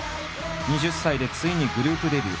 ２０歳でついにグループデビュー。